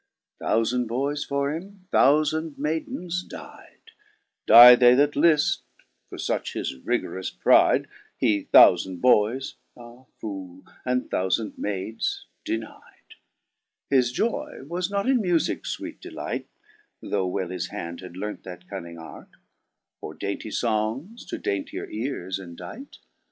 Thoufand boyes for him, thoufand maidens dy'de ; Dye they that lift, for fuch his rigorous pride, H6 thoufand boyes (ah, Foole !) and thoufand maids deni'd, 6. His joy was not in mufiques fweete delight, (Though well his hand had learnt that cunning arte,) Or dainty fongs to daintier eares indite.